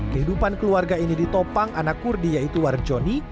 kehidupan keluarga ini ditopang anak kurdi yaitu warjoni